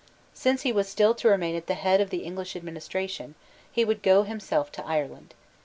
Since he was still to remain at the head of the English administration, he would go himself to Ireland.